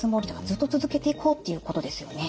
ずっと続けていこうっていうことですよね。